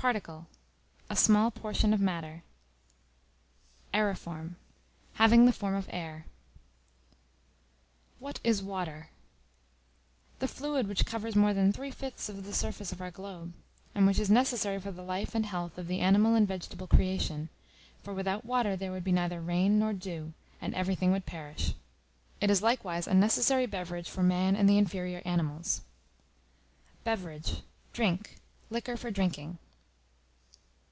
Particle, a small portion of matter. Aëriform, having the form of air. What is Water? The fluid which covers more than three fifths of the surface of our globe, and which is necessary for the life and health of the animal and vegetable creation; for without water there would be neither rain nor dew, and everything would perish. It is likewise a necessary beverage for man and the inferior animals. Beverage, drink, liquor for drinking.